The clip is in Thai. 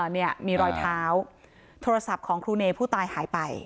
เนี่ยมีรอยเท้าโทรศัพท์ของครูเนผู้ตายหายไป